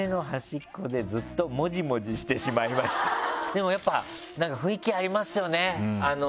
でもやっぱなんか雰囲気ありますよね。